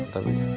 tapi pahit ya